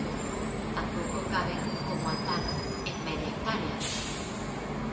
Tampouco caben, como antano, en media hectárea.